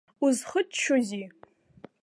Узхыччозеи?